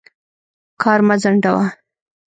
کار مه ځنډوه.